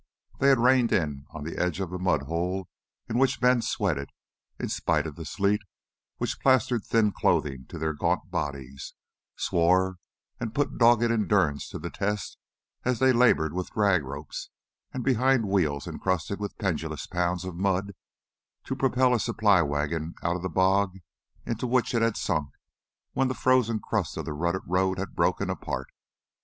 They had reined in on the edge of a mud hole in which men sweated in spite of the sleet which plastered thin clothing to their gaunt bodies swore, and put dogged endurance to the test as they labored with drag ropes and behind wheels encrusted with pendulous pounds of mud, to propel a supply wagon out of the bog into which it had sunk when the frozen crust of the rutted road had broken apart.